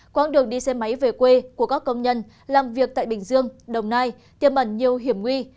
quãng đường đi xe máy về quê của các công nhân làm việc tại bình dương đồng nai tiêm ẩn nhiều hiểm nguy